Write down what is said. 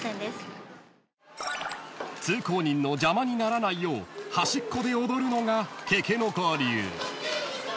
［通行人の邪魔にならないよう端っこで踊るのがケケノコ流］